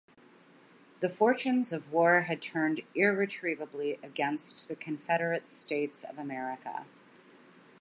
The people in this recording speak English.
The fortunes of war had turned irretrievably against the Confederate States of America.